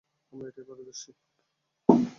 আমরা এটায় পারদর্শী।